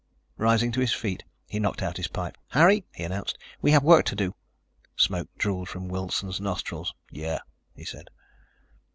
Rising to his feet, he knocked out his pipe. "Harry," he announced, "we have work to do." Smoke drooled from Wilson's nostrils. "Yeah," he said.